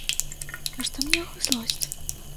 А што мне яго злосць?